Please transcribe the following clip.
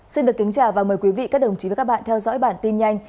xin được kính chào và mời quý vị các đồng chí và các bạn theo dõi bản tin nhanh